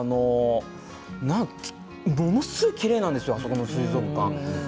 ものすごいきれいなんですよあそこの水族館。